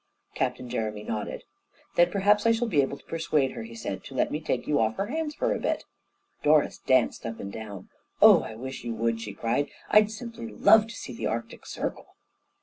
Captain Jeremy nodded. "Then perhaps I shall be able to persuade her," he said, "to let me take you off her hands for a bit." Doris danced up and down. "Oh, I wish you would!" she cried. "I'd simply love to see the Arctic Circle!"